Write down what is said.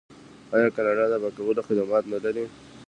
آیا کاناډا د پاکولو خدمات نلري؟